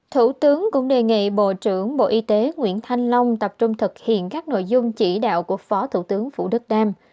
thủ tướng cũng đề nghị bộ trưởng bộ y tế nguyễn thanh long tập trung thực hiện các nội dung chỉ đạo của phó thủ tướng vũ đức đam